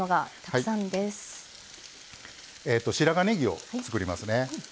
白髪ねぎを作りますね。